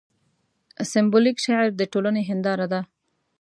سېمبولیک شعر د ټولنې هینداره ده.